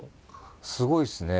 すごいですね。